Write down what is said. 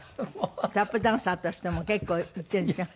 タップダンサーとしても結構いってるんでしょ？